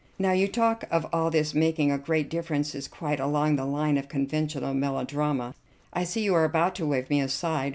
Now, your talk of all this making a great difference is quite along the line of conventional melodrama. I see you are about to wave me aside.